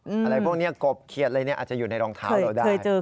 อะไรพวกนี้กบเขียดอะไรเนี่ยอาจจะอยู่ในรองเท้าเราได้